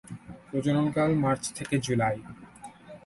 প্রজনন কাল মার্চ থেকে জুলাই।